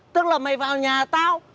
tức là mày vào nhà tao